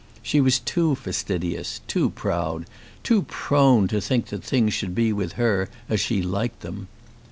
She was too fastidious, too proud, too prone to think that things should be with her as she liked them!